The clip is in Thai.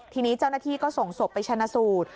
ทีนี้เจ้าหน้าที่ก็ส่งศพไปชนะสูตร